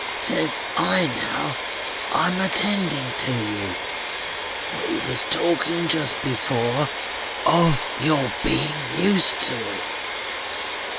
Says I now, I'm attending to ye. We was talking just before of your being used to it."